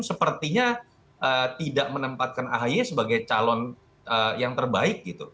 sepertinya tidak menempatkan ahy sebagai calon yang terbaik gitu